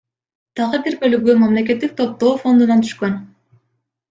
Дагы бир бөлүгү мамлекеттик топтоо фондунан түшкөн.